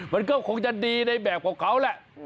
มันก็คงจะดีในแบบของเขาแหละ